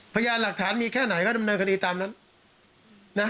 พยานหลักฐานมีแค่ไหนก็ดำเนินคดีตามนั้นนะ